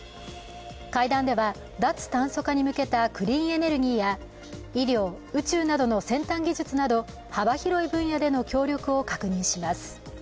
会談では脱炭素化に向けたクリーンエネルギーや医療、宇宙などの先端技術など幅広い分野での協力を確認します。